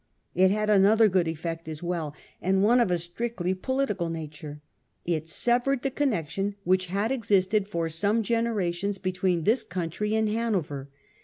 It had another good effect as well, and one of a strictly political nature. Tt severed the connection which had existed for some generations between this country and Han over.